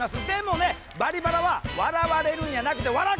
でもね「バリバラ」は「笑われるんやなくて笑